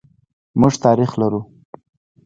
موږ تاریخ لرو.